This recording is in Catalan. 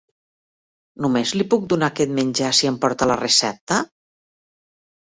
Només li puc donar aquest menjar si em porta la recepta?